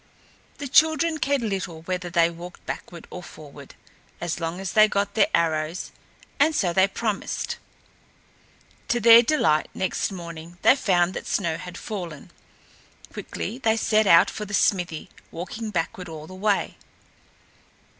The children cared little whether they walked backward or forward, as long as they got their arrows, and so they promised. To their delight next morning they found that snow had fallen. Quickly they set out for the smithy, walking backward all the way.